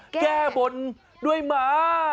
แก้บนด้วยหมา